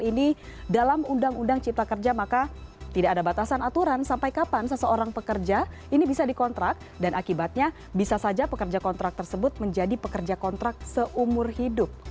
ini dalam undang undang cipta kerja maka tidak ada batasan aturan sampai kapan seseorang pekerja ini bisa dikontrak dan akibatnya bisa saja pekerja kontrak tersebut menjadi pekerja kontrak seumur hidup